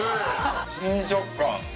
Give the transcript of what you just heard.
新食感